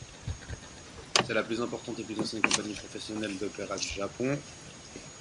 C'est la plus importante et plus ancienne compagnie professionnelle d'opéra du Japon.